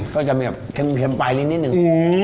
ก็จะมีแบบเค็มไปนิดหนึ่ง